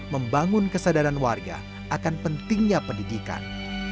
membangun kesadaran warga akan pentingnya pendidikan